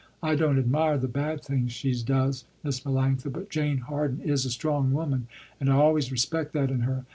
I don't admire the bad things she does, Miss Melanctha, but Jane Harden is a strong woman and I always respect that in her.